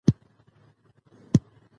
په هېواد کې د سلیمان غر تاریخ اوږد دی.